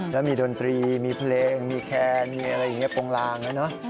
แล้วมีดนตรีมีเพลงมีแคนมีอะไรอย่างนี้โปรงลางนะเนอะ